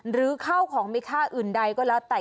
หรือข้าวของมีค่าอื่นใดก็แล้วแต่